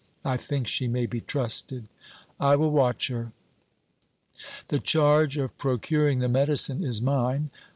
I think she may be trusted." "I will watch her." "The charge of procuring the medicine is mine.